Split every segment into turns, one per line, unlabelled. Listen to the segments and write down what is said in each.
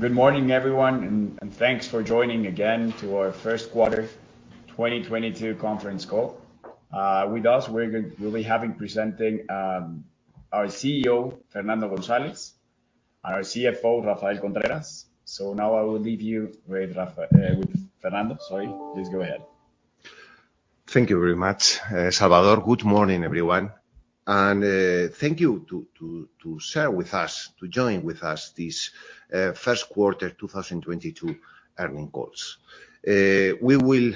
Good morning, everyone, and thanks for joining again to our First Quarter 2022 Conference Call. With us we'll be presenting our CEO, Fernando González, and our CFO, Rafael Contreras. Now I will leave you with Fernando, sorry. Please go ahead.
Thank you very much, Salvador. Good morning, everyone. Thank you to share with us, to join with us this First Quarter 2022 Earnings Calls. We will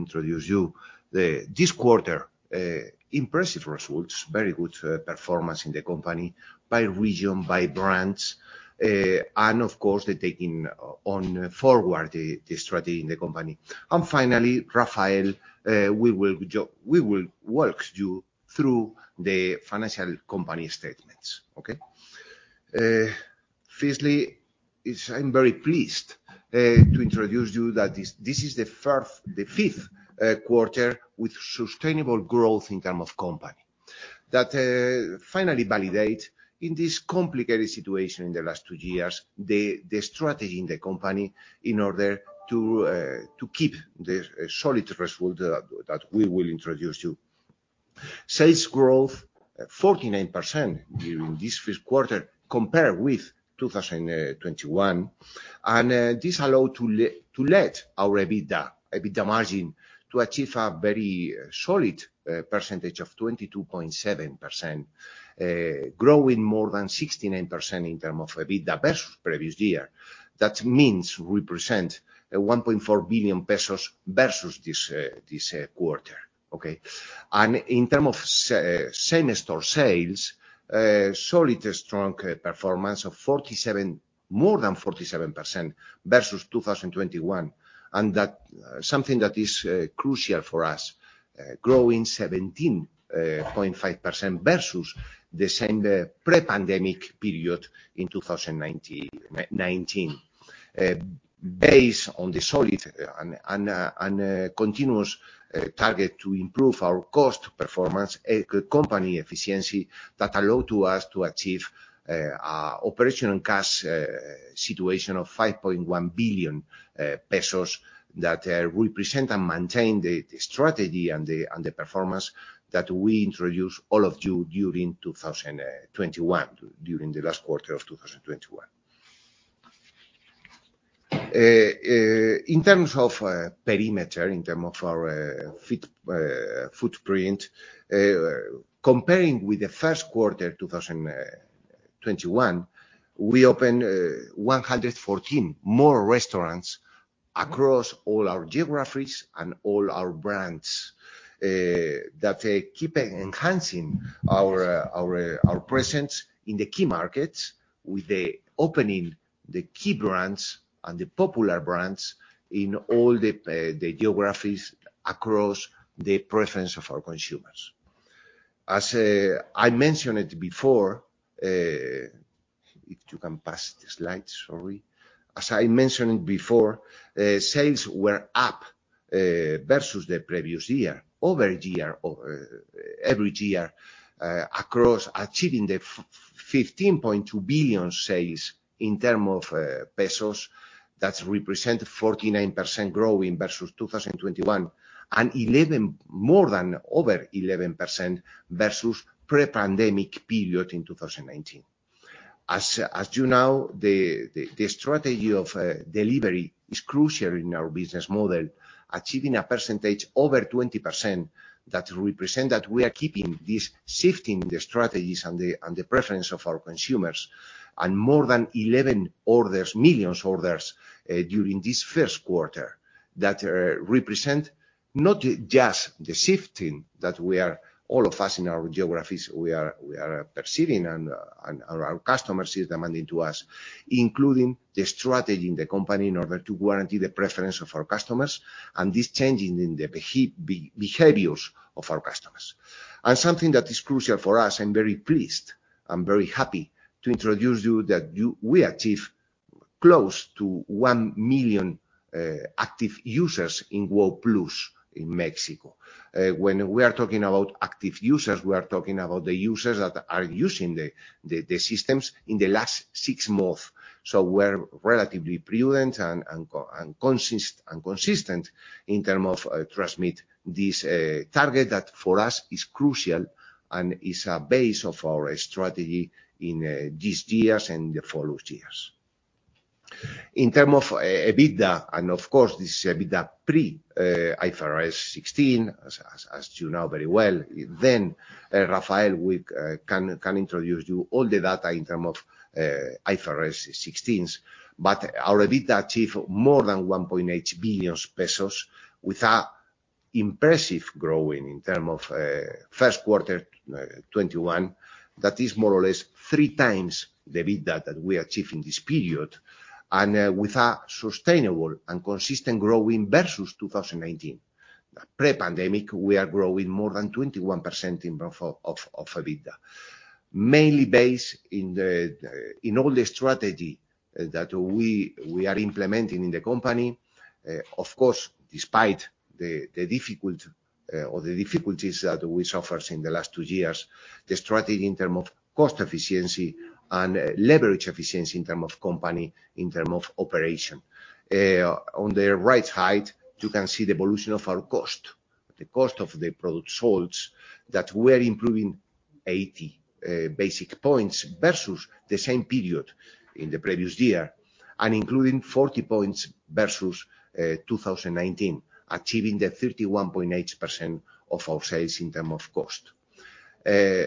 introduce you this quarter impressive results, very good performance in the company by region, by brands, and of course, the taking on forward the strategy in the company. Finally, Rafael will walk you through the financial company statements. Okay. Firstly, I'm very pleased to introduce you that this is the fifth quarter with sustainable growth in term of company. That finally validate in this complicated situation in the last two years, the strategy in the company in order to keep the solid result that we will introduce you. Sales growth at 49% during this first quarter compared with 2021. This allows to let our EBITDA margin to achieve a very solid percentage of 22.7%, growing more than 69% in term of EBITDA versus previous year. That means we present 1.4 billion pesos versus this quarter. Okay? In term of same-store sales, solid and strong performance of more than 47% versus 2021. That something that is crucial for us, growing 17.5% versus the same pre-pandemic period in 2019. Based on the solid and continuous target to improve our cost performance, company efficiency that allow to us to achieve operational cash situation of 5.1 billion pesos that represent and maintain the strategy and the performance that we introduce all of you during 2021, during the last quarter of 2021. In terms of perimeter, in terms of our footprint, comparing with the first quarter 2021, we opened 114 more restaurants across all our geographies and all our brands that keep enhancing our presence in the key markets with the opening the key brands and the popular brands in all the geographies across the preference of our consumers. As I mentioned it before, if you can pass the slide. Sorry. As I mentioned it before, sales were up versus the previous year-over-year, over every year, across achieving the 15.2 billion sales in terms of pesos. That represents 49% growing versus 2021, and more than 11% versus pre-pandemic period in 2019. As you know, the strategy of delivery is crucial in our business model achieving a percentage over 20% that represents that we are keeping this shift in the strategies and the preference of our consumers. And more than 11 million orders during this first quarter that represent not just the shifting that we are, all of us in our geographies, we are perceiving and our customers is demanding to us, including the strategy in the company in order to guarantee the preference of our customers and this changing in the behaviors of our customers. Something that is crucial for us, I'm very pleased, I'm very happy to introduce that we achieve close to 1 million active users in Wow+ in Mexico. When we are talking about active users, we are talking about the users that are using the systems in the last six month. We're relatively prudent and consistent in terms of maintaining this target that for us is crucial and is a base of our strategy in these years and the following years. In terms of EBITDA, and of course, this is EBITDA pre-IFRS 16, as you know very well, Rafael can introduce you all the data in terms of IFRS 16. But our EBITDA achieve more than 1.8 billion pesos with an impressive growing in terms of first quarter 2021. That is more or less 3 times the EBITDA that we achieve in this period. With a sustainable and consistent growing versus 2019, pre-pandemic, we are growing more than 21% in terms of EBITDA. Mainly based on the strategy that we are implementing in the company. Of course, despite the difficulties that we suffers in the last two years, the strategy in terms of cost efficiency and leverage efficiency in terms of company, in terms of operation. On the right side, you can see the evolution of our cost. The cost of the product sold that we're improving 80 basis points versus the same period in the previous year and including 40 points versus 2019, achieving the 31.8% of our sales in terms of cost.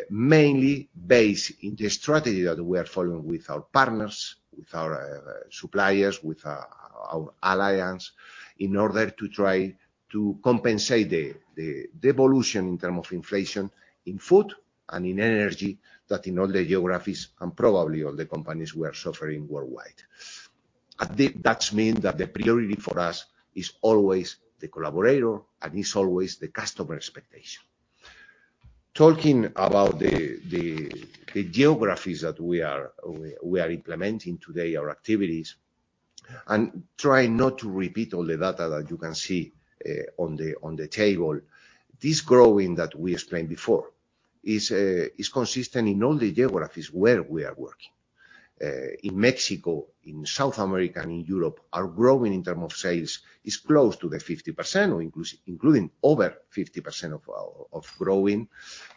Mainly based on the strategy that we are following with our partners, with our suppliers, with our alliance, in order to try to compensate the evolution in terms of inflation in food and in energy that in all the geographies and probably all the companies who are suffering worldwide. That's mean that the priority for us is always the collaborator and it's always the customer expectation. Talking about the geographies that we are implementing today our activities, and try not to repeat all the data that you can see on the table. This growing that we explained before is consistent in all the geographies where we are working. In Mexico, in South America, and in Europe, our growth in terms of sales is close to 50% or including over 50% of our growth.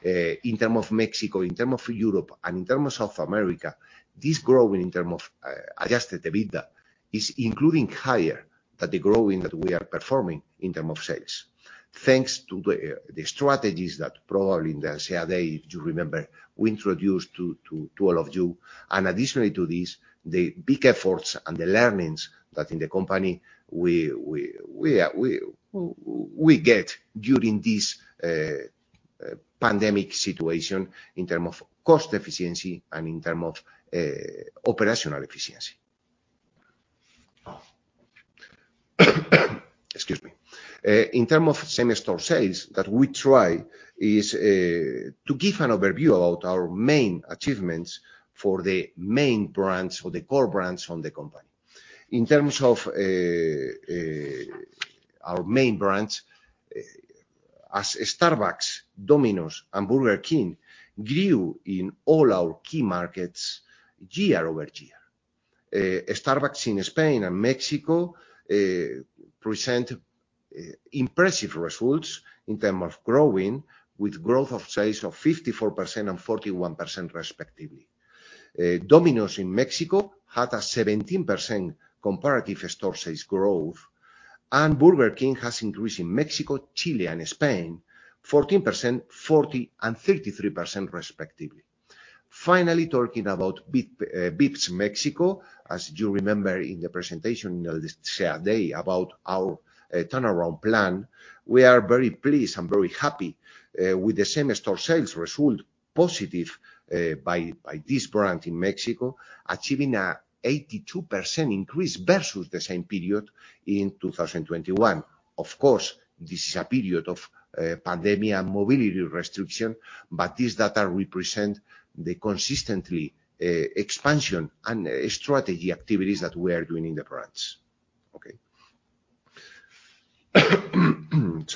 In terms of Mexico, in terms of Europe, and in terms of South America, this growth in terms of Adjusted EBITDA is including higher than the growth that we are performing in terms of sales. Thanks to the strategies that probably in the Alsea Day, if you remember, we introduced to all of you. Additionally to this, the big efforts and the learnings that in the company we get during this pandemic situation in terms of cost efficiency and in terms of operational efficiency. Excuse me. In terms of same-store sales, to give an overview about our main achievements for the main brands or the core brands of the company. In terms of our main brands, as Starbucks, Domino's, and Burger King grew in all our key markets year-over-year. Starbucks in Spain and Mexico present impressive results in terms of growing with growth of sales of 54% and 41% respectively. Domino's in Mexico had a 17% same-store sales growth, and Burger King has increased in Mexico, Chile, and Spain 14%, 40%, and 33% respectively. Finally, talking about Vips Mexico, as you remember in the presentation in the Alsea Day about our turnaround plan, we are very pleased and very happy with the same-store sales result positive by this brand in Mexico, achieving a 82% increase versus the same period in 2021. Of course, this is a period of pandemic and mobility restriction, but this data represent the consistent expansion and strategy activities that we are doing in the brands.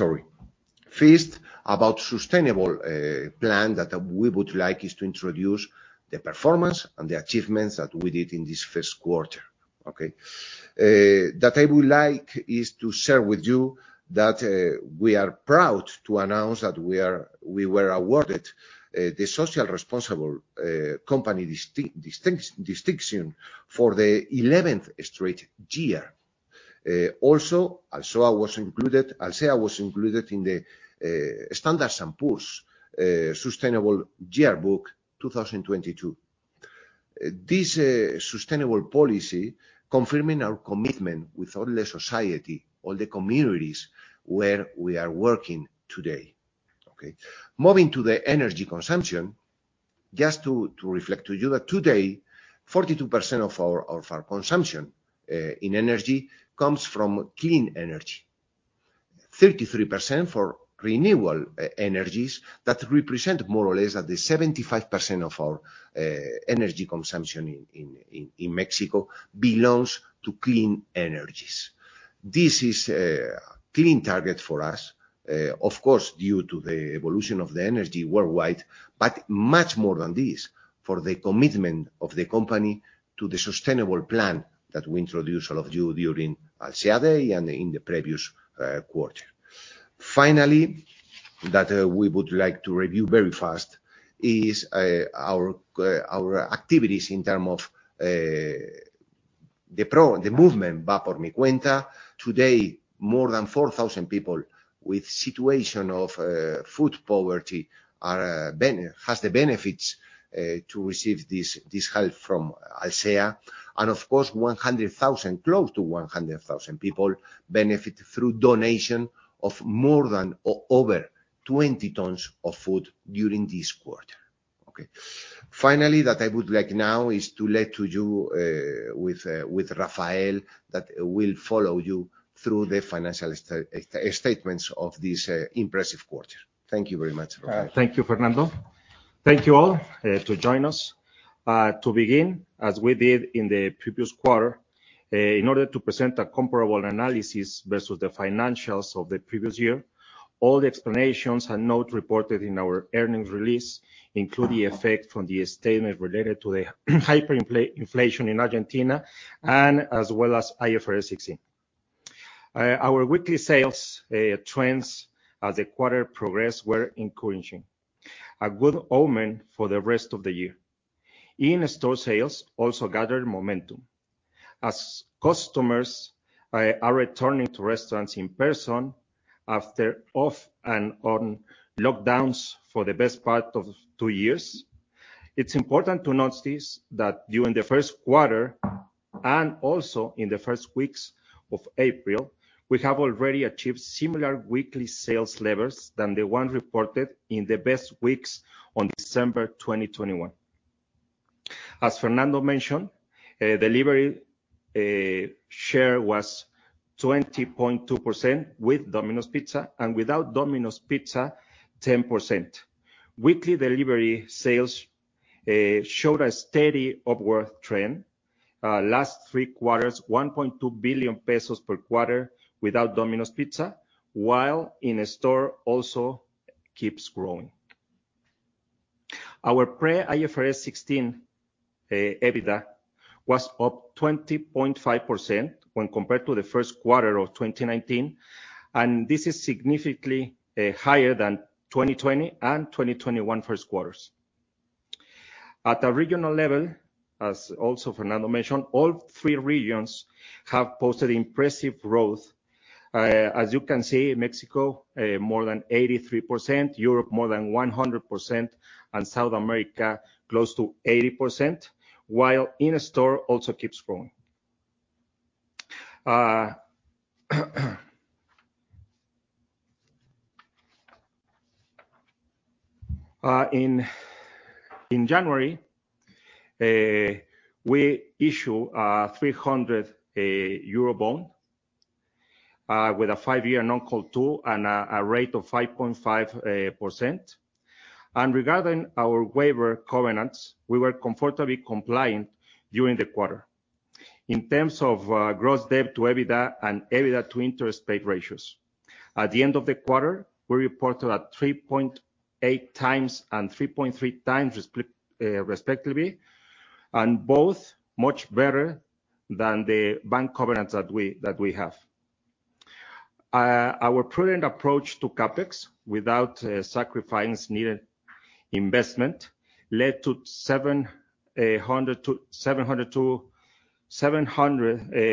Sorry. First, about sustainability plan that we would like is to introduce the performance and the achievements that we did in this first quarter. That I would like is to share with you that we are proud to announce that we were awarded the Socially Responsible Company distinction for the eleventh straight year. Also, Alsea was included in the S&P Global's Sustainability Yearbook 2022. This sustainable policy confirming our commitment with all the society, all the communities where we are working today. Okay. Moving to the energy consumption, just to reflect to you that today 42% of our consumption in energy comes from clean energy. 33% for renewable energies that represent more or less that the 75% of our energy consumption in Mexico belongs to clean energies. This is a clean target for us, of course, due to the evolution of the energy worldwide, but much more than this, for the commitment of the company to the sustainable plan that we introduced all of you during Alsea Day and in the previous quarter. Finally, that we would like to review very fast is our activities in terms of the movement, Va Por Mi Cuenta. Today, more than 4,000 people with situation of food poverty are benefiting to receive this help from Alsea. Of course, close to 100,000 people benefit through donation of more than 20 tons of food during this quarter. Okay. Finally, I would like now to leave you with Rafael who will walk you through the financial statements of this impressive quarter. Thank you very much, Rafael.
Thank you, Fernando. Thank you all to join us. To begin, as we did in the previous quarter, in order to present a comparable analysis versus the financials of the previous year, all the explanations and notes reported in our earnings release include the effect from the statement related to the hyperinflation in Argentina as well as IFRS 16. Our weekly sales trends as the quarter progressed were encouraging, a good omen for the rest of the year. In-store sales also gathered momentum as customers are returning to restaurants in person after off-and-on lockdowns for the best part of two years. It's important to notice that during the first quarter and also in the first weeks of April, we have already achieved similar weekly sales levels to the one reported in the best weeks of December 2021. As Fernando mentioned, delivery share was 20.2% with Domino's Pizza, and without Domino's Pizza, 10%. Weekly delivery sales showed a steady upward trend. Last three quarters, 1.2 billion pesos per quarter without Domino's Pizza, while in-store also keeps growing. Our pre-IFRS 16 EBITDA was up 20.5% when compared to the first quarter of 2019, and this is significantly higher than 2020 and 2021 first quarters. At a regional level, as also Fernando mentioned, all three regions have posted impressive growth. As you can see, Mexico more than 83%, Europe more than 100%, and South America close to 80%, while in-store also keeps growing. In January, we issue a 300 euro bond with a 5-year non-call 2 and a rate of 5.5%. Regarding our waiver covenants, we were comfortably compliant during the quarter. In terms of gross debt to EBITDA and EBITDA to interest paid ratios, at the end of the quarter, we reported at 3.8 times and 3.3 times respectively, and both much better than the bank covenants that we have. Our prudent approach to CapEx without sacrificing needed investment led to 700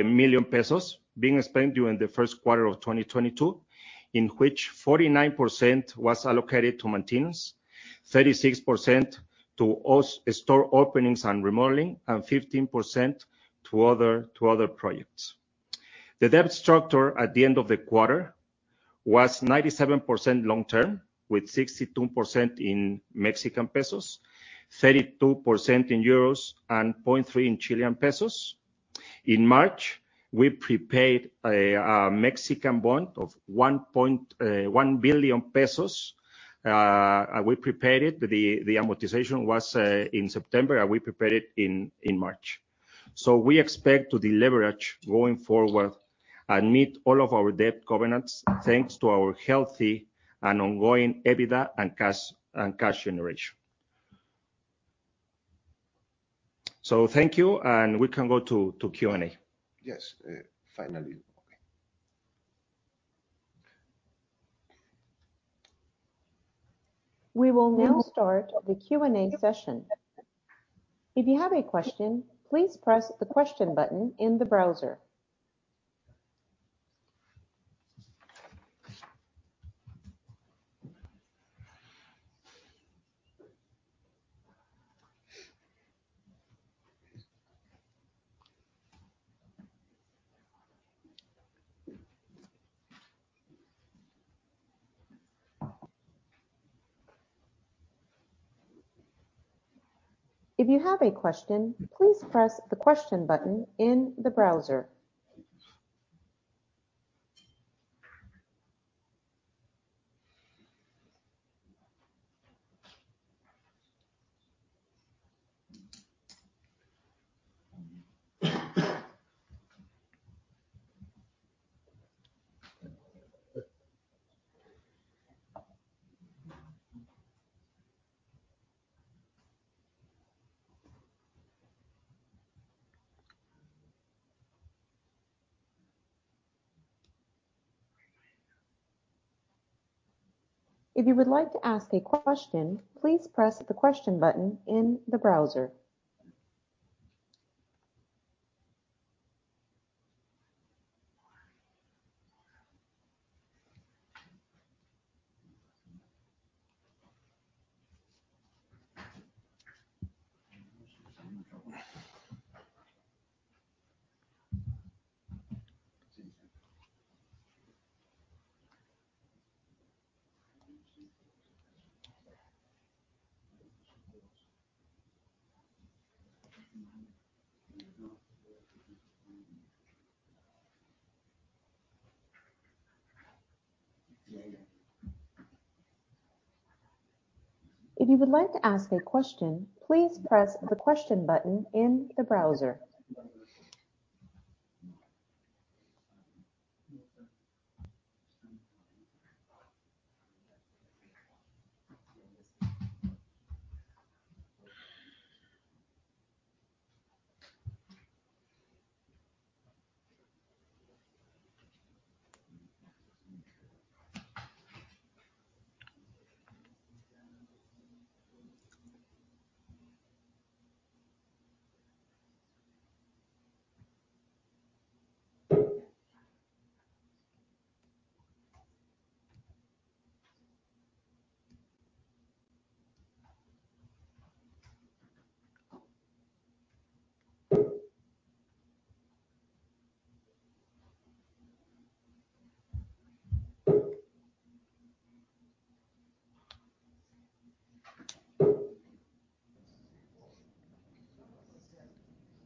million pesos being spent during the first quarter of 2022, in which 49% was allocated to maintenance, 36% to Alsea store openings and remodeling, and 15% to other projects. The debt structure at the end of the quarter was 97% long-term, with 62% in Mexican pesos, 32% in EUR, and 0.3% in CLP. In March, we prepaid a Mexican bond of 1.1 billion pesos. We prepaid it. The amortization was in September, and we prepaid it in March. We expect to deleverage going forward and meet all of our debt covenants thanks to our healthy and ongoing EBITDA and cash and cash generation. Thank you, and we can go to Q&A.
Yes, finally. Okay.
We will now start the Q&A session. If you have a question, please press the question button in the browser. If you would like to ask a question, please press the question button in the browser.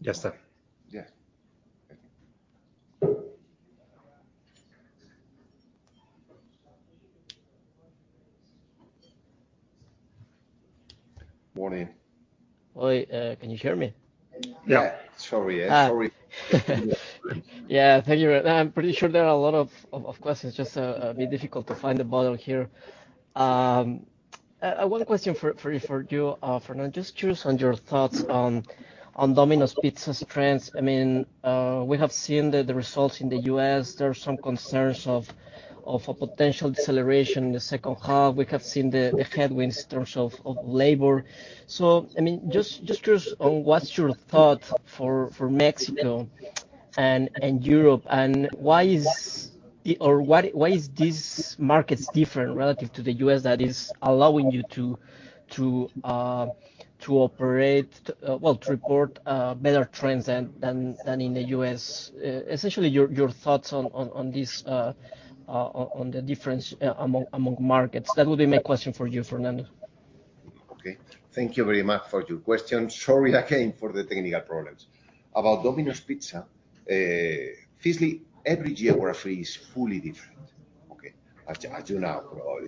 Yes, sir.
Yes. Thank you. Morning.
Oi, can you hear me?
Yeah, sorry.
Yeah. Thank you. I'm pretty sure there are a lot of questions. Just a bit difficult to find the button here. One question for you, Fernando. Just curious on your thoughts on Domino's Pizza's trends. I mean, we have seen the results in the U.S. There are some concerns of a potential deceleration in the second half. We have seen the headwinds in terms of labor. I mean, just curious on what's your thought for Mexico and Europe. Why is or why these markets different relative to the U.S. that is allowing you to operate well, to report better trends than in the U.S.? Essentially, your thoughts on this, on the difference among markets. That would be my question for you, Fernando.
Okay. Thank you very much for your question. Sorry again for the technical problems. About Domino's Pizza, firstly, every geography is fully different. Okay? As you know.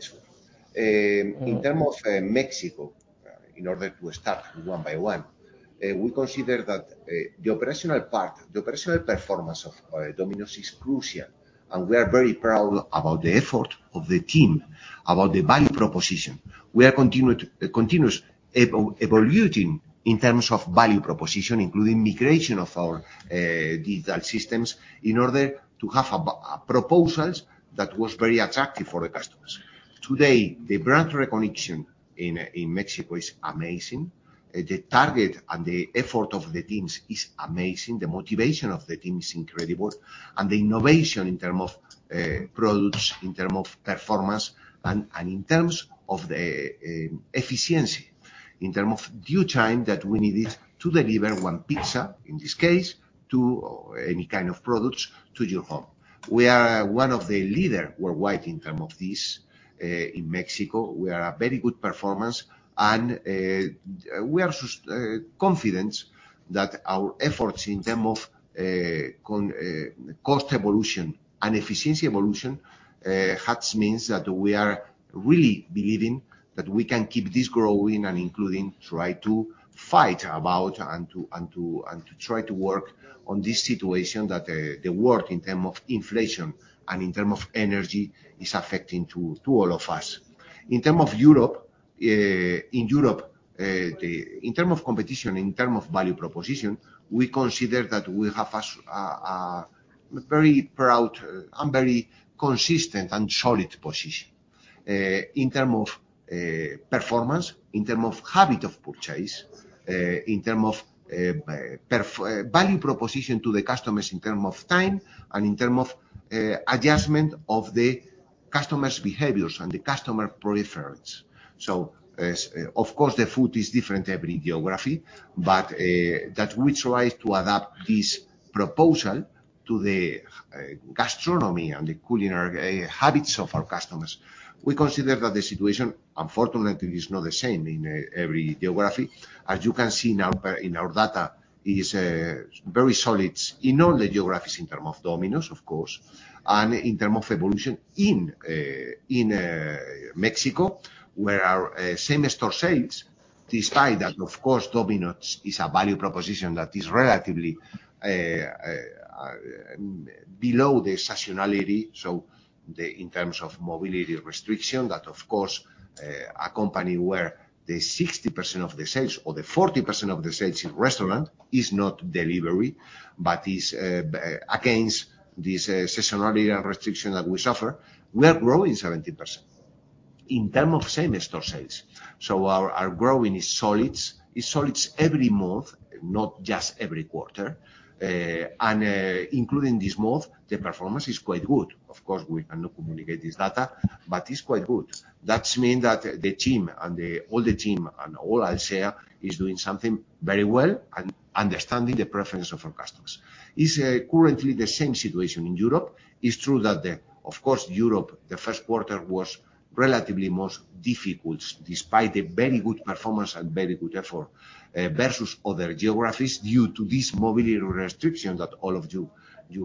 In terms of Mexico, in order to start one by one, we consider that the operational part, the operational performance of Domino's is crucial, and we are very proud about the effort of the team, about the value proposition. We continue to continuously evolve in terms of value proposition, including migration of our digital systems in order to have a proposal that was very attractive for the customers. Today, the brand recognition in Mexico is amazing. The targeting and the effort of the teams is amazing. The motivation of the team is incredible and the innovation in terms of products, in terms of performance and in terms of the efficiency, in terms of due time that we needed to deliver one pizza, in this case, to any kind of products to your home. We are one of the leaders worldwide in terms of this. In Mexico, we are a very good performance and we are confident that our efforts in terms of cost evolution and efficiency evolution has means that we are really believing that we can keep this growing and including try to fight about and to try to work on this situation that the world in terms of inflation and in terms of energy is affecting to all of us. In terms of Europe, in terms of competition, in terms of value proposition, we consider that we have a very proud and very consistent and solid position. In terms of performance, in terms of habit of purchase, in terms of value proposition to the customers in terms of time and in terms of adjustment of the customers' behaviors and the customer preference. Of course, the food is different every geography, but that we try to adapt this proposal to the gastronomy and the culinary habits of our customers. We consider that the situation, unfortunately, is not the same in every geography. As you can see now in our data is very solid in all the geographies in terms of Domino's, of course, and in terms of evolution in Mexico, where our same-store sales, despite that, of course, Domino's is a value proposition that is relatively below the seasonality. In terms of mobility restriction, that of course a company where the 60% of the sales or the 40% of the sales in restaurant is not delivery, but is against this seasonality and restriction that we suffer. We are growing 17% in terms of same-store sales. Our growth is solid. It's solid every month, not just every quarter. Including this month, the performance is quite good. Of course, we cannot communicate this data, but it's quite good. That means the team and all Alsea is doing something very well and understanding the preference of our customers. It's currently the same situation in Europe. It's true that of course, Europe, the first quarter was relatively most difficult, despite the very good performance and very good effort versus other geographies due to this mobility restriction that all of you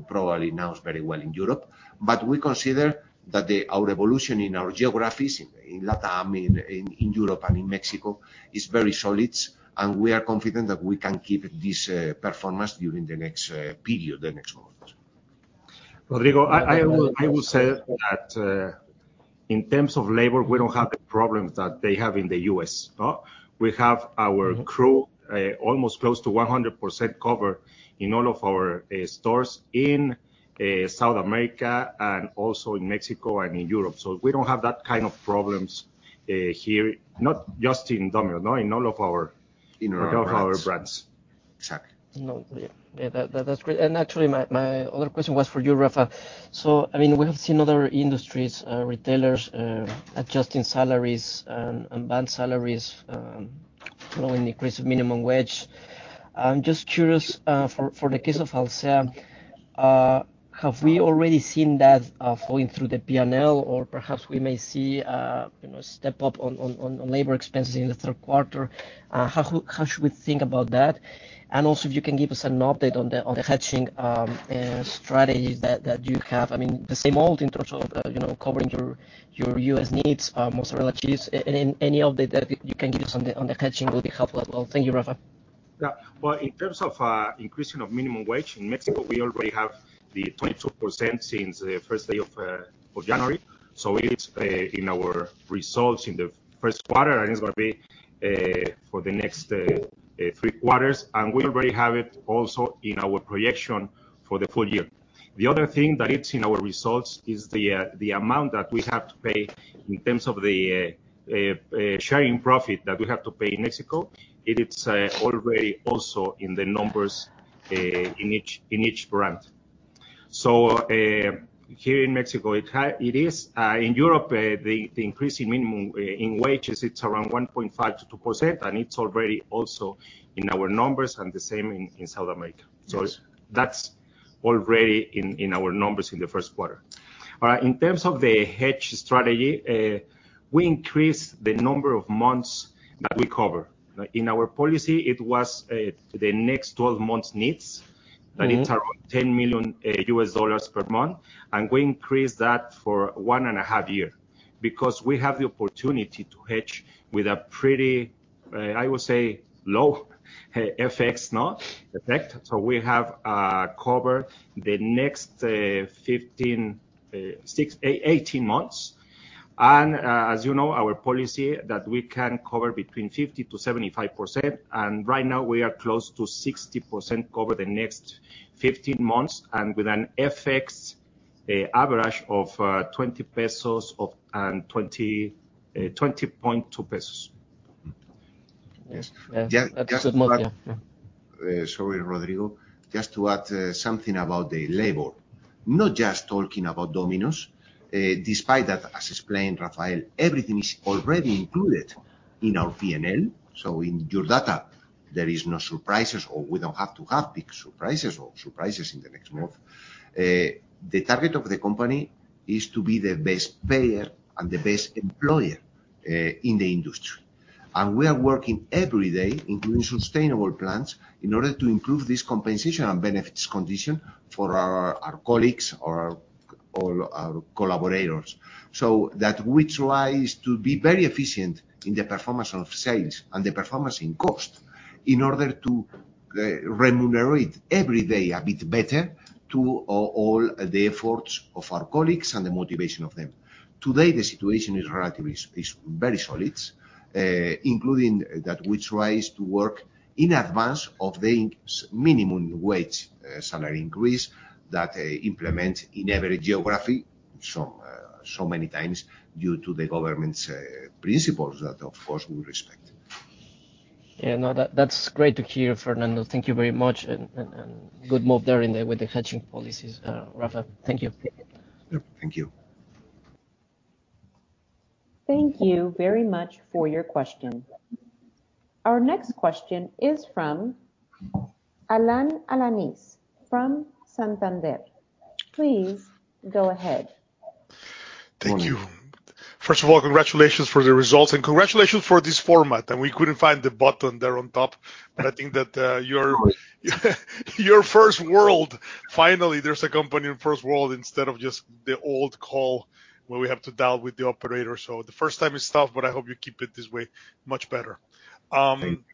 probably know very well in Europe. We consider that our evolution in our geographies, in LatAm, in Europe, and in Mexico is very solid, and we are confident that we can keep this performance during the next period, the next quarters.
Rodrigo, I will say that in terms of labor, we don't have the problems that they have in the U.S., no? We have our crew almost close to 100% covered in all of our stores in South America and also in Mexico and in Europe. We don't have that kind of problems here, not just in Domino, no, in all of our-
In our brands.
in all of our brands.
Exactly.
No, yeah. Yeah, that's great. Actually my other question was for you, Rafa. I mean, we have seen other industries, retailers, adjusting salaries and band salaries following the increase of minimum wage. I'm just curious, for the case of Alsea, have we already seen that flowing through the P&L or perhaps we may see, you know, step up on labor expenses in the third quarter? How should we think about that? Also if you can give us an update on the hedging strategies that you have. I mean, the same old in terms of, you know, covering your U.S. needs, mozzarella cheese. Any update that you can give us on the hedging will be helpful as well. Thank you, Rafa.
Yeah. Well, in terms of increasing of minimum wage in Mexico, we already have the 22% since the first day of January. It is in our results in the first quarter, and it's gonna be for the next three quarters, and we already have it also in our projection for the full year. The other thing that it's in our results is the amount that we have to pay in terms of the profit sharing that we have to pay in Mexico. It is already also in the numbers in each brand. Here in Mexico, it is in Europe the increase in minimum wages. It's around 1.5%-2%, and it's already also in our numbers and the same in South America.
Yes.
That's already in our numbers in the first quarter. In terms of the hedge strategy, we increased the number of months that we cover. In our policy, it was the next 12 months' needs.
Mm-hmm
It's around $10 million per month. We increased that for 1.5 years because we have the opportunity to hedge with a pretty, I would say, low FX effect. We have covered the next 15-18 months. As you know, our policy that we can cover between 50%-75%, and right now we are close to 60% cover the next 15 months and with an FX average of 20 pesos or 20.2 pesos.
Yes. Yeah. That's a good move. Yeah. Yeah.
Something about the labor. Not just talking about Domino's, despite that, as explained Rafael, everything is already included in our P&L. In your data, there is no surprises or we don't have to have big surprises or surprises in the next month. The target of the company is to be the best payer and the best employer in the industry. We are working every day, including sustainable plans, in order to improve this compensation and benefits condition for our colleagues or all our collaborators. That we try is to be very efficient in the performance of sales and the performance in cost in order to remunerate every day a bit better all the efforts of our colleagues and the motivation of them. Today, the situation is relatively very solid, including that we try to work in advance of the minimum wage salary increase that implement in every geography so many times due to the government's principles that of course we respect.
Yeah, no, that's great to hear, Fernando. Thank you very much and good move there with the hedging policies, Rafa. Thank you.
Yep, thank you.
Thank you very much for your question. Our next question is from Alan Alanis from Santander. Please go ahead.
Thank you. First of all, congratulations for the results and congratulations for this format. We couldn't find the button there on top, but I think that, you're first world. Finally, there's a company in first world instead of just the old call where we have to dial with the operator. The first time is tough, but I hope you keep it this way. Much better.
Thank you.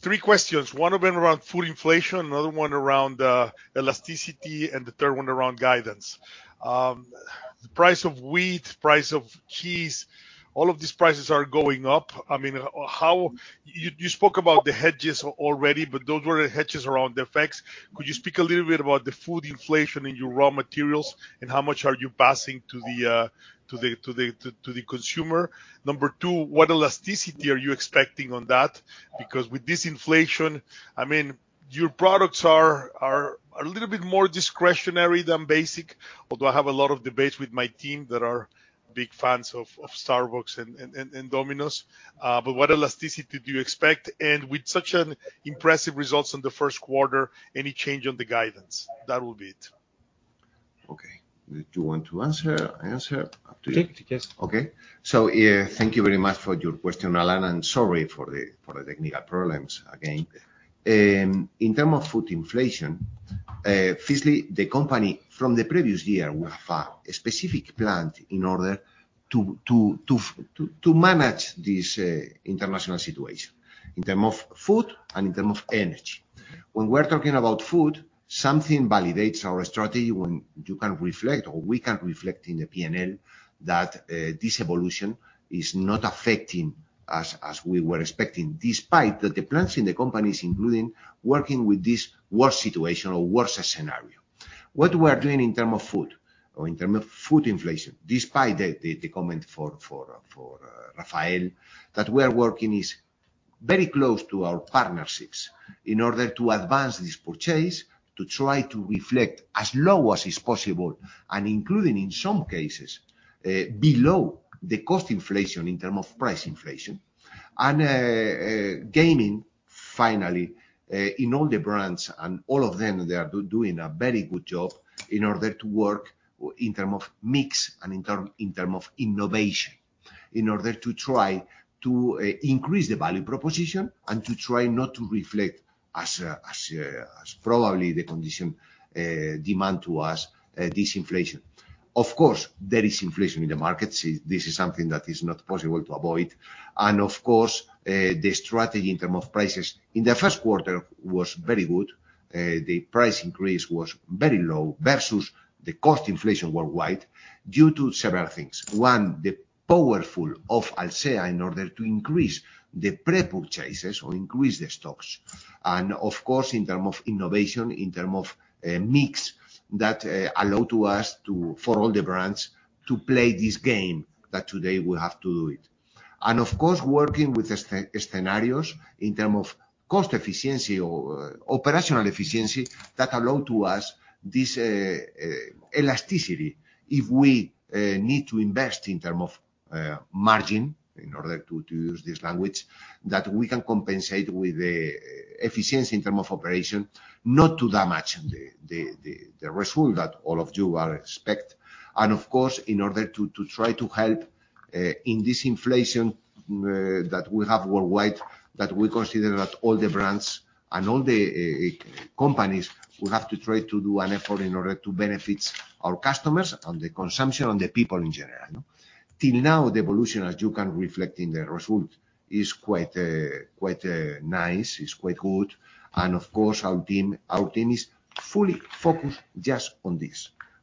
Three questions, one of them around food inflation, another one around elasticity, and the third one around guidance. The price of wheat, price of cheese, all of these prices are going up. I mean, you spoke about the hedges already, but those were the hedges around the effects. Could you speak a little bit about the food inflation in your raw materials, and how much are you passing to the consumer? Number two, what elasticity are you expecting on that? Because with this inflation, I mean, your products are a little bit more discretionary than basic, although I have a lot of debates with my team that are big fans of Starbucks and Domino's. What elasticity do you expect? With such an impressive results on the first quarter, any change on the guidance? That will be it.
Do you want to answer? Up to you.
Yes, yes.
Thank you very much for your question, Alan, and sorry for the technical problems again. In terms of food inflation, firstly, the company from the previous year, we have a specific plan in order to manage this international situation in terms of food and in terms of energy. When we're talking about food, something validates our strategy when you can reflect or we can reflect in the P&L that this evolution is not affecting us as we were expecting, despite that the plans in the companies including working with this worse situation or worse scenario. What we are doing in terms of food or in terms of food inflation, despite the comment from Rafael, that we are working very closely with our partners in order to advance the pricing to try to reflect as low as is possible and including, in some cases, below the cost inflation in terms of price inflation. Finally, in all the brands and all of them, they are doing a very good job in order to work in terms of mix and in terms of innovation, in order to try to increase the value proposition and to try not to reflect as probably the conditions demand to us this inflation. Of course, there is inflation in the market. See, this is something that is not possible to avoid. Of course, the strategy in terms of prices in the first quarter was very good. The price increase was very low versus the cost inflation worldwide due to several things. One, the purchasing power of Alsea in order to increase the pre-purchases or increase the stocks. Of course, in terms of innovation, in terms of mix that allows us to, for all the brands to play this game that today we have to play. Of course, working with the scenarios in terms of cost efficiency or operational efficiency that allows us this elasticity if we need to invest in terms of margin, in order to use this leverage, that we can compensate with the efficiency in terms of operation, not to damage the result that all of you expect. Of course, in order to try to help in this inflation that we have worldwide, that we consider that all the brands and all the companies will have to try to do an effort in order to benefit our customers and the consumption and the people in general. Till now, the evolution, as you can reflect in the result, is quite nice, is quite good. Of course, our team is fully focused just on this.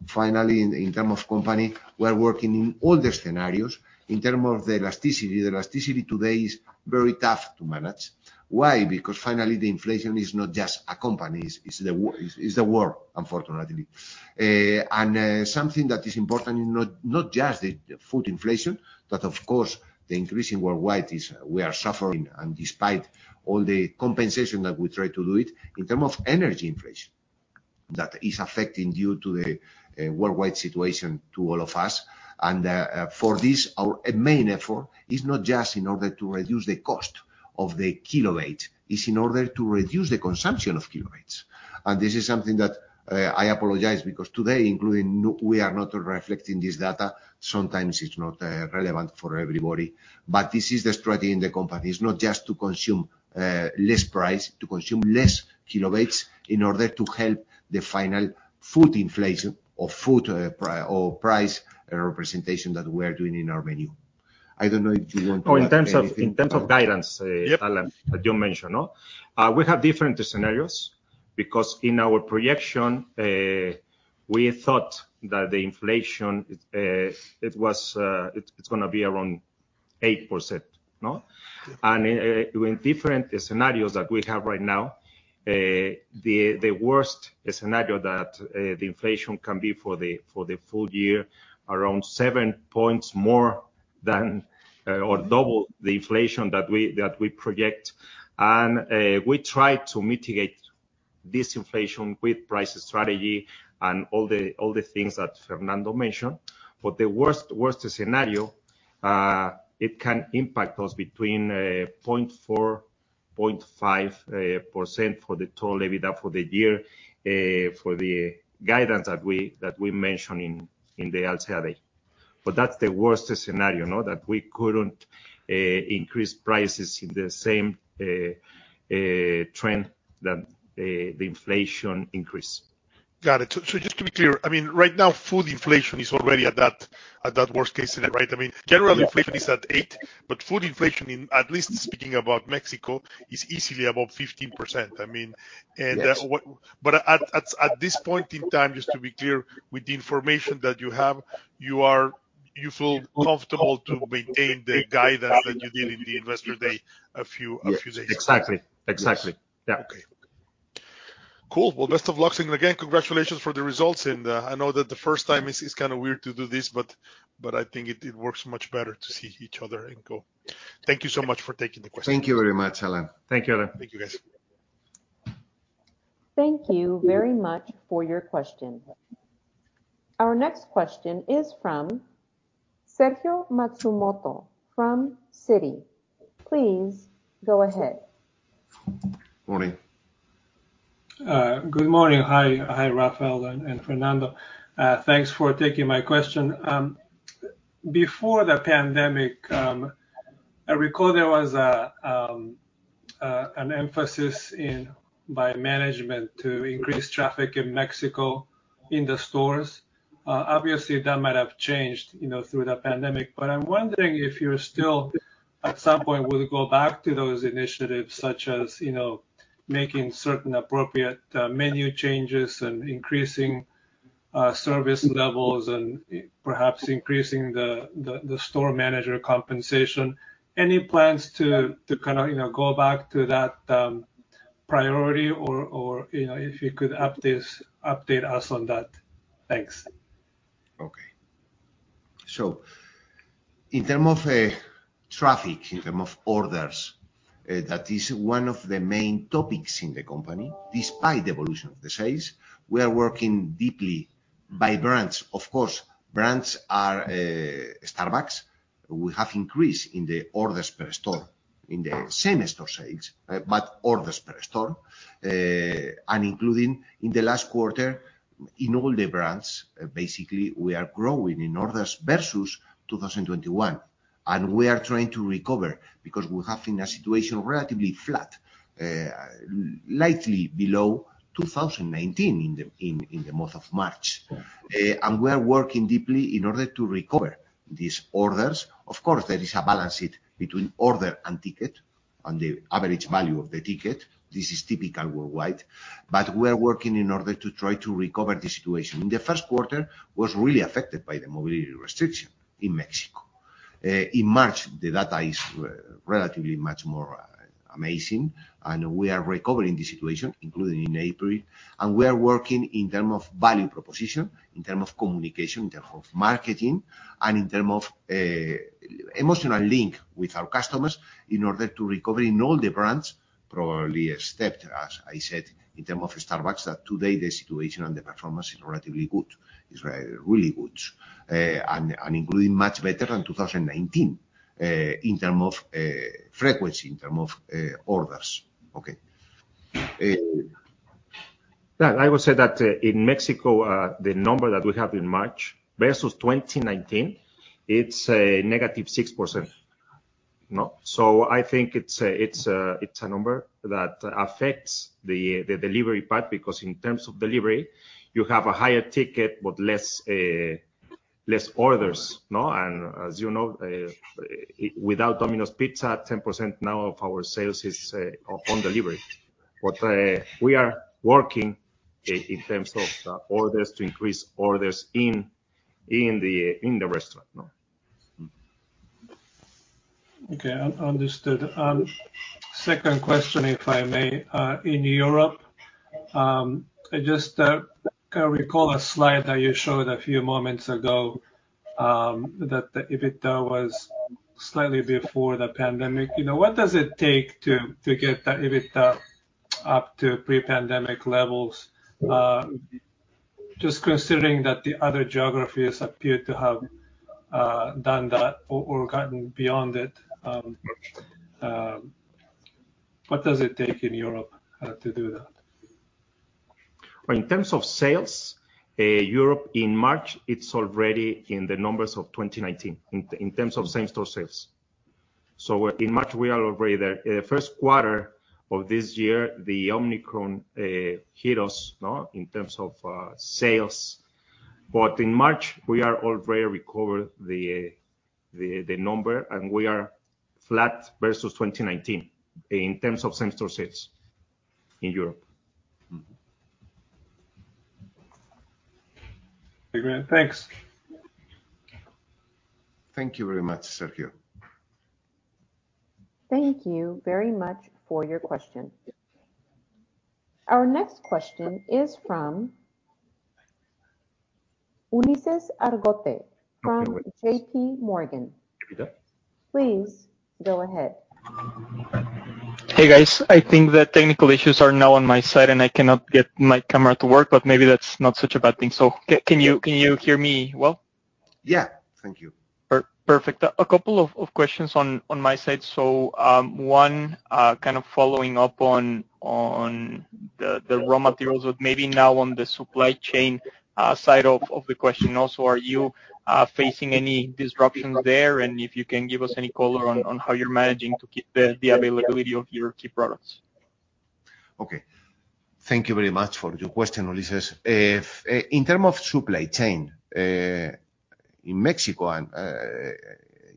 Finally, in term of company, we are working in all the scenarios. In term of the elasticity, the elasticity today is very tough to manage. Why? Because finally, the inflation is not just a company's, it's the world, unfortunately. Something that is important, not just the food inflation, but of course, the increase in worldwide is we are suffering and despite all the compensation that we try to do it, in term of energy inflation that is affecting due to the worldwide situation to all of us. For this, our main effort is not just in order to reduce the cost of the kilowatt, it's in order to reduce the consumption of kilowatts. This is something that I apologize because today, we are not reflecting this data, sometimes it's not relevant for everybody. This is the strategy in the company. It's not just to consume less price, to consume less kilowatts in order to help the final food inflation or food price representation that we are doing in our menu. I don't know if you want to add anything.
Oh, in terms of guidance.
Yep
Alan, that you mentioned, no? We have different scenarios because in our projection, we thought that the inflation is going to be around 8%, no? In different scenarios that we have right now, the worst scenario that the inflation can be for the full year is around 7 points more than or double the inflation that we project. We try to mitigate this inflation with price strategy and all the things that Fernando mentioned. For the worst scenario, it can impact us between 0.4-0.5% for the total EBITDA for the year, for the guidance that we mention in the Alsea Day. That's the worst scenario, no? That we couldn't increase prices in the same trend that the inflation increase.
Got it. Just to be clear, I mean, right now, food inflation is already at that worst case scenario right? I mean, general inflation is at 8%, but food inflation in, at least speaking about Mexico, is easily above 15%. I mean, and
Yes.
At this point in time, just to be clear, with the information that you have, you feel comfortable to maintain the guidance that you did in the Investor Day a few days ago?
Yes. Exactly. Yeah.
Okay. Cool. Well, best of luck, and again, congratulations for the results and, I know that the first time it's kind of weird to do this, but I think it works much better to see each other and go. Thank you so much for taking the questions.
Thank you very much, Alan.
Thank you, Alan.
Thank you, guys.
Thank you very much for your question. Our next question is from Sergio Matsumoto from Citi. Please go ahead.
Morning. Good morning. Hi. Hi, Rafael and Fernando. Thanks for taking my question. Before the pandemic, I recall there was an emphasis by management to increase traffic in Mexico in the stores. Obviously, that might have changed, you know, through the pandemic, but I'm wondering if you're still at some point will go back to those initiatives such as, you know, making certain appropriate menu changes and increasing service levels and perhaps increasing the store manager compensation. Any plans to kind of, you know, go back to that priority or, you know, if you could update us on that. Thanks.
Okay. In terms of traffic, in terms of orders, that is one of the main topics in the company. Despite the evolution of the sales, we are working deeply by brands. Of course, brands are Starbucks. We have increased in the orders per store, in the same-store sales, but orders per store. Including in the last quarter, in all the brands, basically we are growing in orders versus 2021. We are trying to recover because we have in a situation relatively flat, slightly below 2019 in the month of March. We are working deeply in order to recover these orders. Of course, there is a balance between order and ticket and the average value of the ticket. This is typical worldwide. We are working in order to try to recover the situation. In the first quarter was really affected by the mobility restriction in Mexico. In March, the data is relatively much more amazing, and we are recovering the situation, including in April. We are working in term of value proposition, in term of communication, in term of marketing, and in term of emotional link with our customers in order to recover in all the brands. Probably a step, as I said, in term of Starbucks, that today the situation and the performance is relatively good. It's very really good. And including much better than 2019, in term of frequency, in term of orders. Okay.
Yeah. I would say that in Mexico the number that we have in March versus 2019 it's -6%. No. I think it's a number that affects the delivery part because in terms of delivery you have a higher ticket but less orders. No? As you know without Domino's Pizza 10% now of our sales is on delivery. We are working in terms of the orders to increase orders in the restaurant. No.
Okay, understood. Second question, if I may. In Europe, I just recall a slide that you showed a few moments ago, that the EBITDA was slightly below pre-pandemic. You know, what does it take to get that EBITDA up to pre-pandemic levels? Just considering that the other geographies appear to have done that or gotten beyond it. What does it take in Europe to do that?
Well, in terms of sales, Europe in March, it's already in the numbers of 2019 in terms of same-store sales. In March, we are already the first quarter of this year, the Omicron hit us, no, in terms of sales. In March, we are already recovered the number, and we are flat versus 2019 in terms of same-store sales in Europe.
Mm-hmm.
Okay, great. Thanks.
Thank you very much, Sergio.
Thank you very much for your question. Our next question is from Ulises Argote from JP Morgan. Please go ahead.
Hey, guys. I think the technical issues are now on my side, and I cannot get my camera to work, but maybe that's not such a bad thing. Can you hear me well?
Yeah. Thank you.
Perfect. A couple of questions on my side. One kind of following up on the raw materials, but maybe now on the supply chain side of the question also. Are you facing any disruptions there? And if you can give us any color on how you're managing to keep the availability of your key products?
Okay. Thank you very much for your question, Ulises. In terms of supply chain, in Mexico and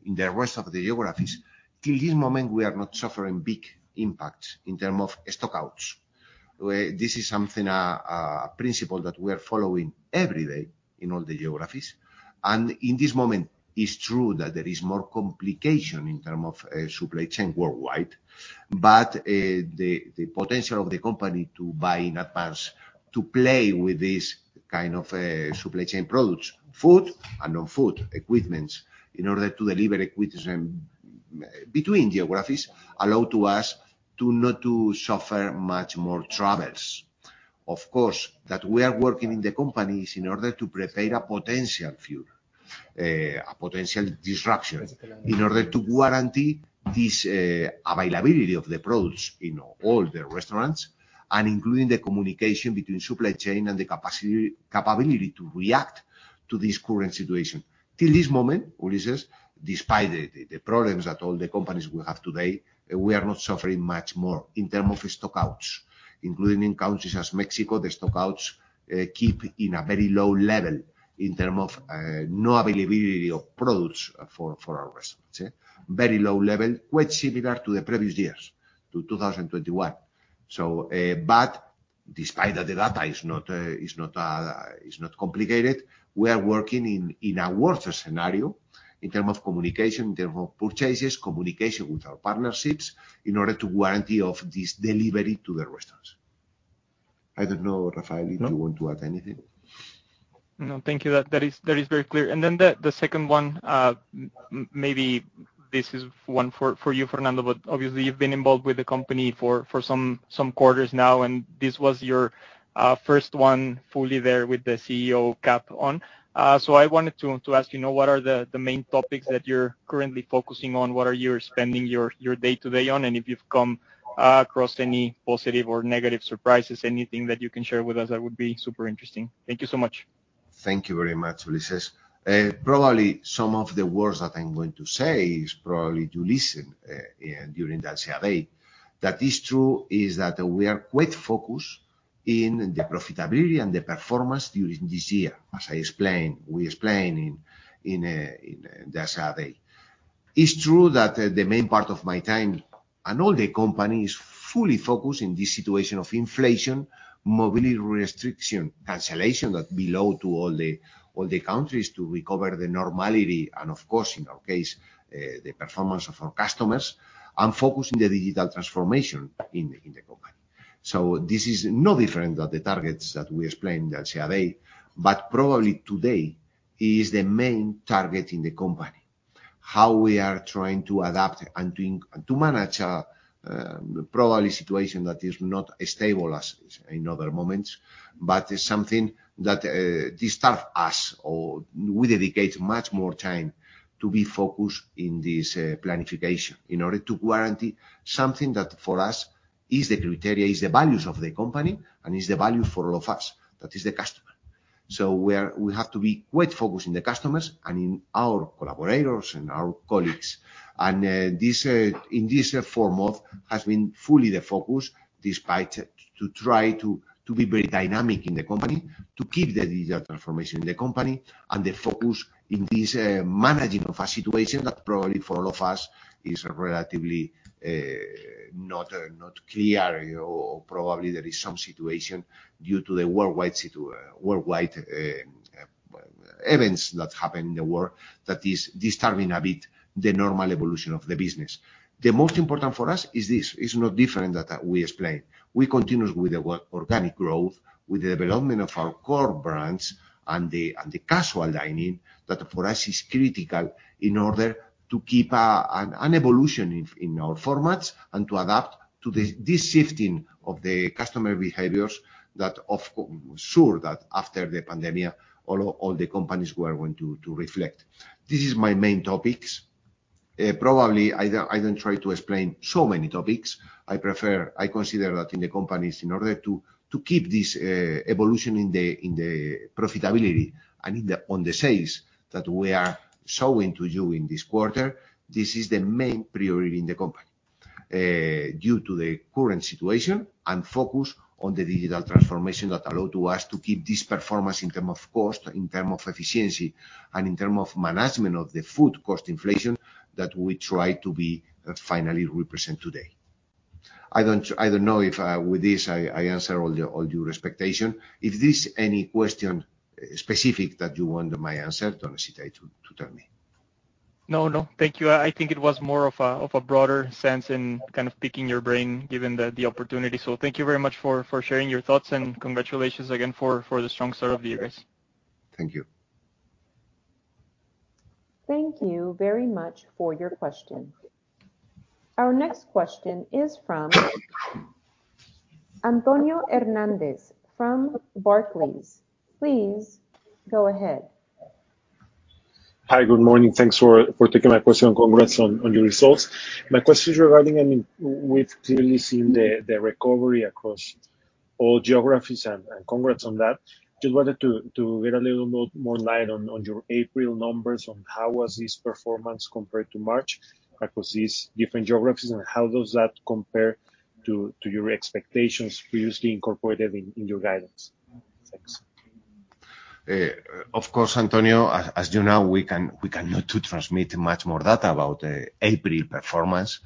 in the rest of the geographies, till this moment, we are not suffering big impact in terms of stock-outs. This is something, a principle that we are following every day in all the geographies. In this moment, it's true that there is more complication in terms of supply chain worldwide. The potential of the company to buy in advance to play with this kind of supply chain products, food and non-food equipments, in order to deliver equipments between geographies, allow to us to not to suffer much more troubles. Of course, that we are working in the companies in order to prepare a potential full disruption in order to guarantee this availability of the products in all the restaurants and including the communication between supply chain and the capability to react to this current situation. Till this moment, Ulises, despite the problems that all the companies will have today, we are not suffering much more in terms of stockouts, including in countries as Mexico, the stockouts keep in a very low level in terms of no availability of products for our restaurants. Very low level, quite similar to the previous years, to 2021. Despite that, the data is not complicated. We are working in a worse scenario in terms of communication, in terms of purchases, communication with our partnerships in order to guarantee this delivery to the restaurants. I don't know, Rafael, if you want to add anything.
No, thank you. That is very clear. Then the second one, maybe this is one for you, Fernando, but obviously you've been involved with the company for some quarters now, and this was your first one fully there with the CEO hat on. So I wanted to ask, you know, what are the main topics that you're currently focusing on? What are you spending your day-to-day on? If you've come across any positive or negative surprises, anything that you can share with us, that would be super interesting. Thank you so much.
Thank you very much, Ulises. Probably some of the words that I'm going to say is to listen in during that survey. That is true that we are quite focused in the profitability and the performance during this year, as we explained in that survey. It's true that the main part of my time and all the company is fully focused in this situation of inflation, mobility restriction, cancellation that belong to all the countries, to recover the normality and of course, in our case, the performance of our customers, and focused in the digital transformation in the company. This is no different than the targets that we explained that survey, but probably today is the main target in the company, how we are trying to adapt and to manage a probably situation that is not as stable as in other moments, but is something that disturb us or we dedicate much more time to be focused in this planning in order to guarantee something that for us is the criteria, is the values of the company and is the value for all of us, that is the customer. We have to be quite focused on the customers and in our collaborators and our colleagues. This in this four month has been fully the focus despite to try to be very dynamic in the company, to keep the digital transformation in the company and the focus in this managing of a situation that probably for all of us is relatively not clear or probably there is some situation due to the worldwide events that happen in the world that is disturbing a bit the normal evolution of the business. The most important for us is this. It's not different that we explained. We continue with the organic growth, with the development of our core brands and the casual dining that for us is critical in order to keep an evolution in our formats and to adapt to this shifting of the customer behaviors that of course we're sure that after the pandemic, all the companies were going to reflect. This is my main topics. Probably I don't try to explain so many topics. I prefer. I consider that in the companies in order to keep this evolution in the profitability and on the sales that we are showing to you in this quarter, this is the main priority in the company due to the current situation and focus on the digital transformation that allow to us to keep this performance in terms of cost, in terms of efficiency, and in terms of management of the food cost inflation that we try to be finally represent today. I don't know if with this I answer all your expectation. If there's any question specific that you want my answer, don't hesitate to tell me.
No, no. Thank you. I think it was more of a broader sense in kind of picking your brain, given the opportunity. Thank you very much for sharing your thoughts and congratulations again for the strong start of the year, guys.
Thank you.
Thank you very much for your question. Our next question is from Antonio Hernandez from Barclays. Please go ahead.
Hi. Good morning. Thanks for taking my question and congrats on your results. My question is regarding, I mean, we've clearly seen the recovery across all geographies and congrats on that. Just wanted to get a little more light on your April numbers on how was this performance compared to March across these different geographies and how does that compare to your expectations previously incorporated in your guidance? Thanks.
Of course, Antonio, as you know, we cannot transmit much more data about April performance.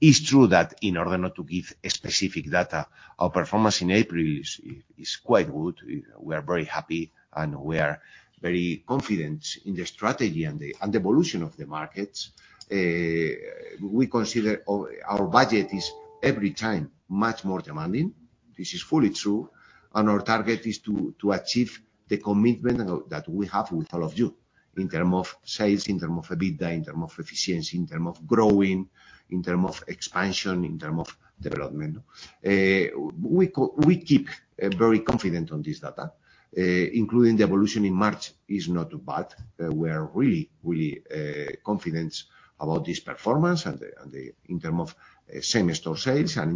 It's true that in order not to give a specific data, our performance in April is quite good. We are very happy, and we are very confident in the strategy and the evolution of the markets. We consider our budget is every time much more demanding. This is fully true, and our target is to achieve the commitment that we have with all of you in terms of sales, in terms of EBITDA, in terms of efficiency, in terms of growing, in terms of expansion, in terms of development. We keep very confident on this data, including the evolution in March is not bad. We're really confident about this performance in terms of same-store sales and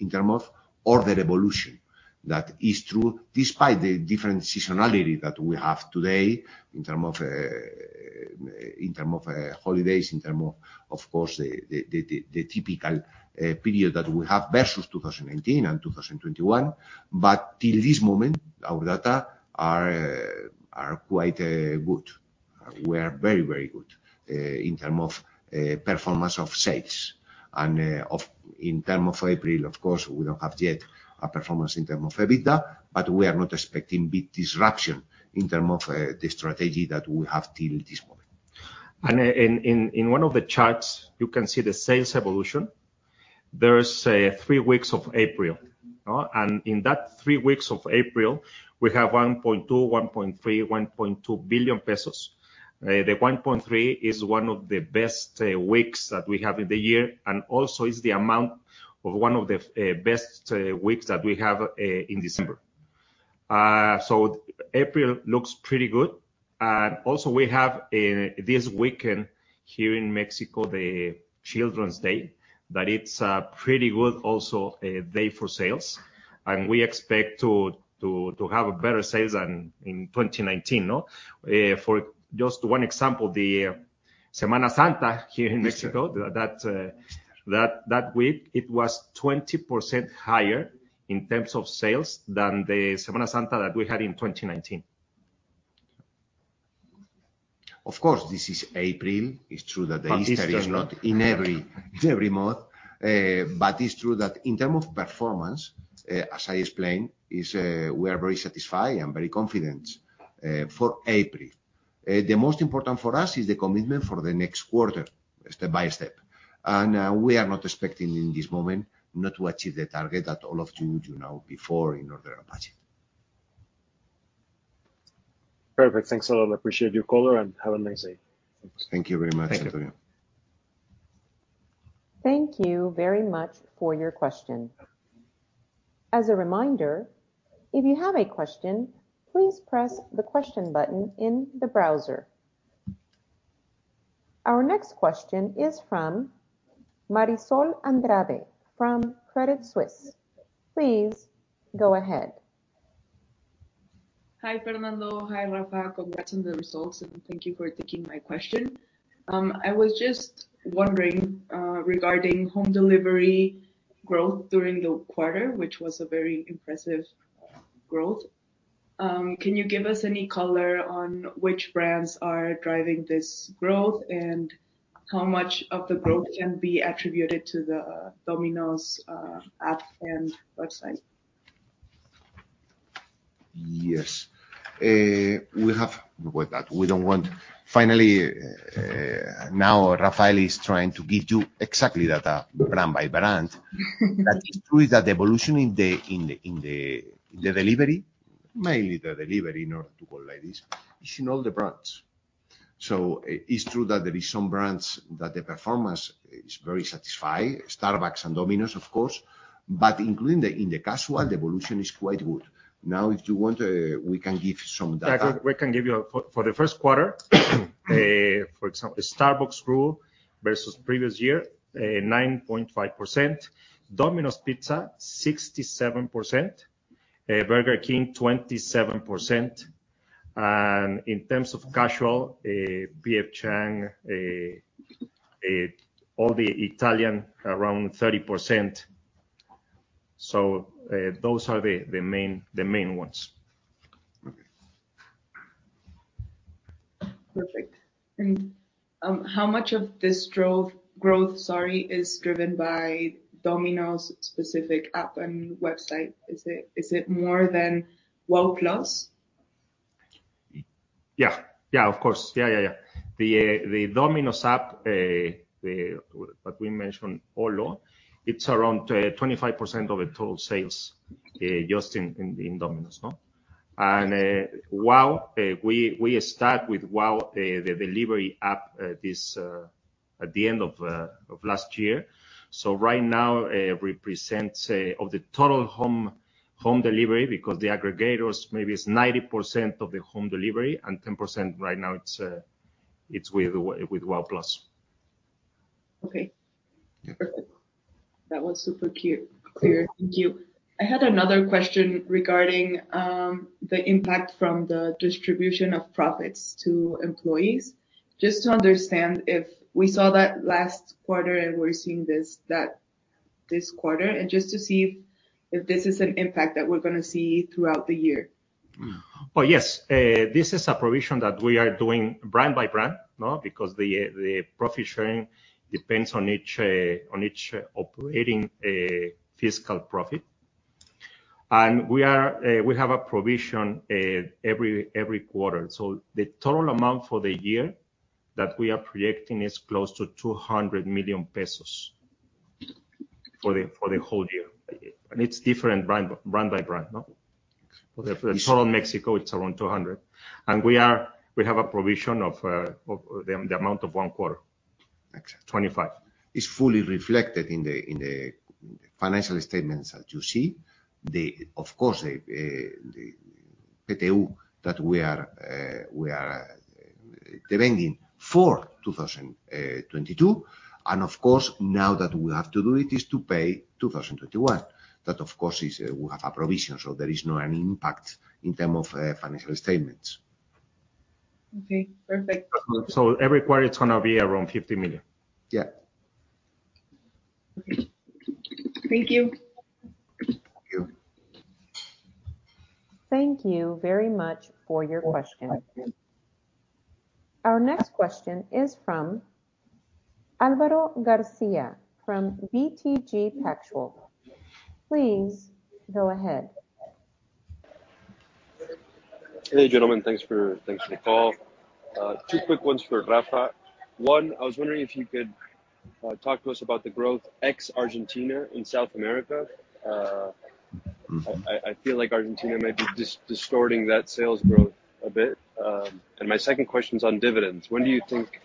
in terms of order evolution. That is true despite the different seasonality that we have today in terms of holidays, in terms of course, the typical period that we have versus 2018 and 2021. Till this moment, our data are quite good. We are very good in terms of performance of sales. In terms of April, of course, we don't have yet a performance in terms of EBITDA, but we are not expecting big disruption in terms of the strategy that we have till this moment.
In one of the charts, you can see the sales evolution. There is three weeks of April, no? In that three weeks of April, we have 1.2 billion, 1.3 billion, 1.2 billion pesos. The 1.3 billion is one of the best weeks that we have in the year, and also is the amount of one of the best weeks that we have in December. April looks pretty good. We have this weekend here in Mexico, the Children's Day, but it's pretty good also day for sales. We expect to have better sales than in 2019, no? For just one example, the Semana Santa here in Mexico, that week, it was 20% higher in terms of sales than the Semana Santa that we had in 2019.
Of course, this is April. It's true that the Easter.
This does not.
is not in every month. But it's true that in terms of performance, as I explained, we are very satisfied and very confident for April. The most important for us is the commitment for the next quarter, step by step. We are not expecting in this moment not to achieve the target that all of you you know before in order to our budget.
Perfect. Thanks a lot. I appreciate your call and have a nice day.
Thanks. Thank you very much, Antonio.
Thank you.
Thank you very much for your question. As a reminder, if you have a question, please press the question button in the browser. Our next question is from Marisol Andrade from Credit Suisse. Please go ahead.
Hi, Fernando. Hi, Rafa. Congrats on the results, and thank you for taking my question. I was just wondering, regarding home delivery growth during the quarter, which was a very impressive growth. Can you give us any color on which brands are driving this growth and how much of the growth can be attributed to the Domino's app and website?
Yes. Finally, now Rafael is trying to give you exact data brand by brand. It's true that the evolution in the delivery, mainly the delivery, in order to grow like this, is in all the brands. It's true that there is some brands that the performance is very satisfactory, Starbucks and Domino's of course, but including in the casual, the evolution is quite good. Now, if you want, we can give some data.
We can give you for the first quarter, for example, Starbucks growth versus previous year, 9.5%. Domino's Pizza, 67%. Burger King, 27%. In terms of casual, P.F. Chang's, Italianni's around 30%. Those are the main ones.
Okay.
Perfect. How much of this is driven by Domino's specific app and website? Is it more than Wow+?
Yeah. Of course. The Domino's app that we mentioned, Olo, it's around 25% of the total sales just in Domino's, no? Wow+, we start with Wow+, the delivery app at the end of last year. Right now, represents of the total home delivery because the aggregators maybe is 90% of the home delivery and 10% right now it's with Wow+.
Okay. Perfect. That was super clear.
Okay.
Thank you. I had another question regarding the impact from the distribution of profits to employees. Just to understand if we saw that last quarter and we're seeing that this quarter, and just to see if this is an impact that we're gonna see throughout the year.
Mm.
Oh, yes. This is a provision that we are doing brand by brand, no? Because the profit sharing depends on each operating fiscal profit. We have a provision every quarter. The total amount for the year that we are projecting is close to 200 million pesos for the whole year. It's different brand by brand, no?
Yes.
The total Mexico, it's around 200. We have a provision of the amount of one quarter.
Exactly.
25.
It's fully reflected in the financial statements that you see. Of course, the PTU that we are demanding for 2022. Of course, now that we have to do it, is to pay 2021. That, of course, is we have a provision, so there is not any impact in terms of financial statements.
Okay, perfect.
Every quarter, it's gonna be around 50 million.
Yeah.
Okay. Thank you.
Thank you.
Thank you very much for your question. Our next question is from Álvaro García from BTG Pactual. Please go ahead.
Hey, gentlemen. Thanks for the call. Two quick ones for Rafa. One, I was wondering if you could talk to us about the growth ex Argentina in South America.
Mm-hmm.
I feel like Argentina might be distorting that sales growth a bit. My second question's on dividends. When do you think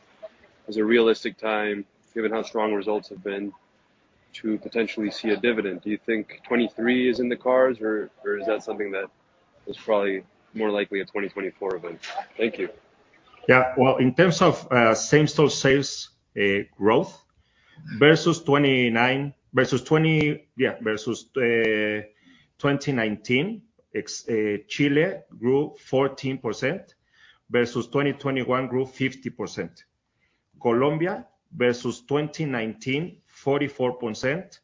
is a realistic time, given how strong results have been, to potentially see a dividend? Do you think 2023 is in the cards or is that something that is probably more likely a 2024 event? Thank you.
Yeah. Well, in terms of same-store sales growth versus 2019, ex Chile grew 14% versus 2021 grew 50%. Colombia versus 2019, 44%,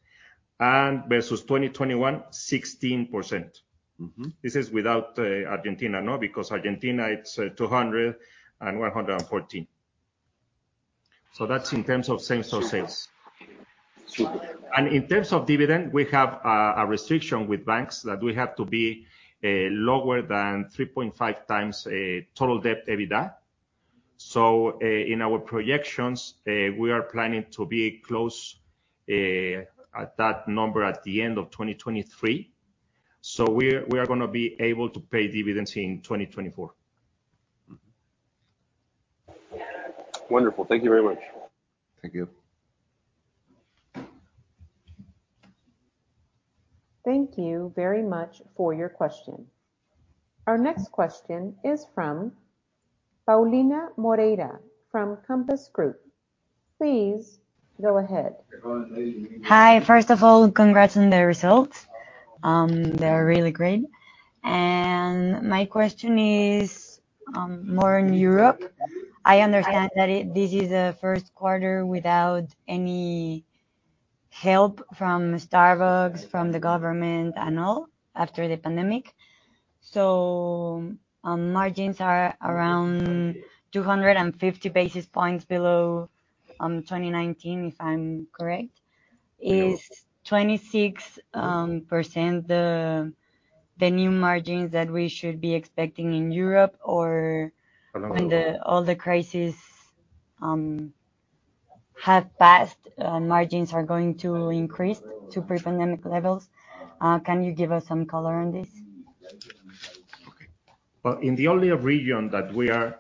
and versus 2021, 16%.
Mm-hmm.
This is without Argentina, no, because Argentina, it's 200% and 114%. So that's in terms of same-store sales.
Sure.
In terms of dividend, we have a restriction with banks that we have to be lower than 3.5 times total debt EBITDA. In our projections, we are planning to be close at that number at the end of 2023. We are gonna be able to pay dividend in 2024.
Wonderful. Thank you very much.
Thank you.
Thank you very much for your question. Our next question is from Paulina Moreira from Compass Group. Please go ahead.
Hi. First of all, congrats on the results. They're really great. My question is more on Europe. I understand that this is the first quarter without any help from Starbucks, from the government and all after the pandemic. Margins are around 250 basis points below 2019, if I'm correct.
You are.
Is 26% the new margins that we should be expecting in Europe? Or-
Another one.
When all the crises have passed, margins are going to increase to pre-pandemic levels? Can you give us some color on this?
Okay. Well, in the only region that we are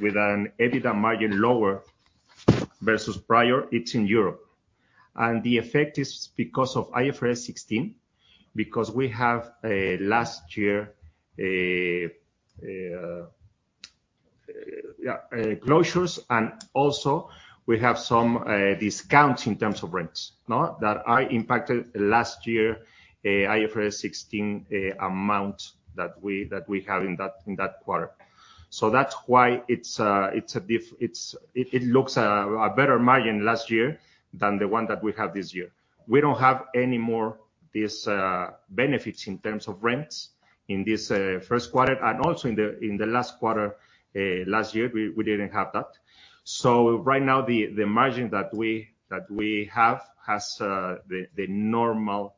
with an EBITDA margin lower versus prior, it's in Europe. The effect is because of IFRS 16, because we have last year closures and also we have some discounts in terms of rents. No? That impacted last year IFRS 16 amount that we have in that quarter. That's why it looks like a better margin last year than the one that we have this year. We don't have any more these benefits in terms of rents in this first quarter. Also in the last quarter last year, we didn't have that. Right now the margin that we have has the normal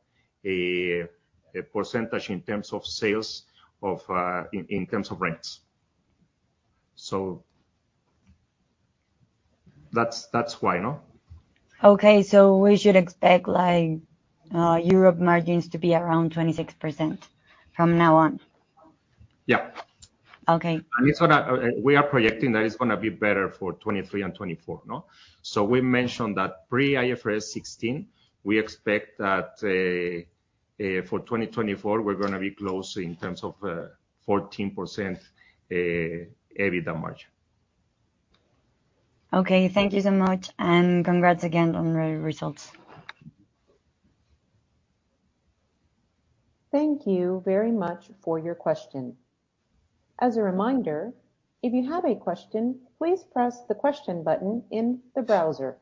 percentage in terms of sales or in terms of rents. That's why, no?
Okay. We should expect like, Europe margins to be around 26% from now on?
Yeah.
Okay.
We are projecting that it's gonna be better for 2023 and 2024, no? We mentioned that pre IFRS 16, we expect that for 2024, we're gonna be close in terms of 14% EBITDA margin.
Okay. Thank you so much, and congrats again on the results.
Thank you very much for your question. As a reminder, if you have a question, please press the question button in the browser.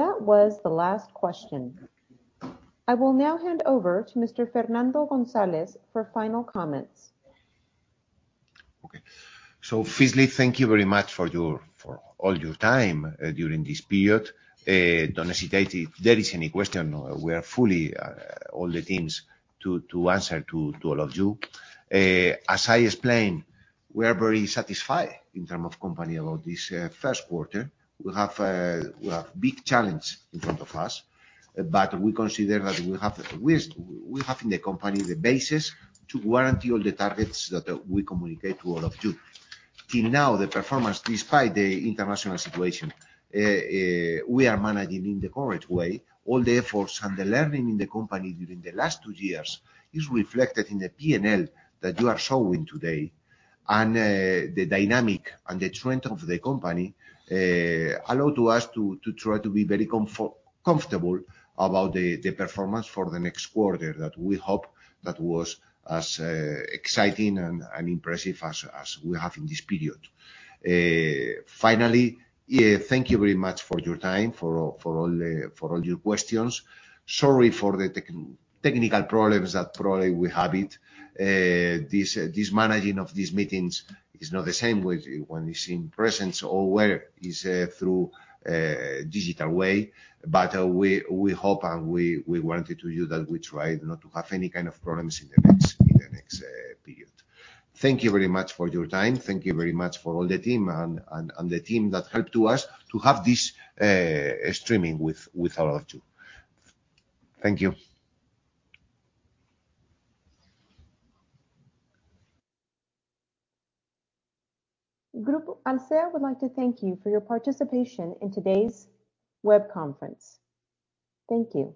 That was the last question. I will now hand over to Mr. Fernando González for final comments.
Firstly, thank you very much for all your time during this period. Don't hesitate if there is any question, we are fully all the teams to answer to all of you. As I explained, we are very satisfied in terms of company about this first quarter. We have big challenge in front of us, but we consider that we have in the company the basis to guarantee all the targets that we communicate to all of you. Till now, the performance, despite the international situation, we are managing in the correct way. All the efforts and the learning in the company during the last two years is reflected in the P&L that you are showing today. The dynamic and the trend of the company allow us to try to be very comfortable about the performance for the next quarter that we hope was as exciting and impressive as we have in this period. Finally, thank you very much for your time, for all your questions. Sorry for the technical problems that probably we had. This managing of these meetings is not the same as when it's in presence or whereas through digital way. We hope and we want to tell you that we try not to have any kind of problems in the next period. Thank you very much for your time. Thank you very much for all the team and the team that helped to us to have this streaming with all of you. Thank you.
Grupo Alsea would like to thank you for your participation in today's web conference. Thank you.